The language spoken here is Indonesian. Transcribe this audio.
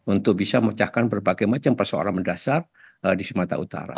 untuk bisa memecahkan berbagai macam persoalan mendasar di sumatera utara